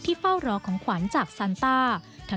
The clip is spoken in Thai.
ที่เฝ้ารอของขวัญจากสันตา